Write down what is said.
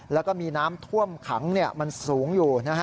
แล้วก็มีน้ำท่วมขังมันสูงอยู่นะฮะ